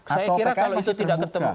saya kira kalau itu tidak ketemu